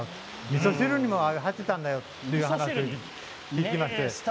みそ汁にも入っていたんだよと言っていました。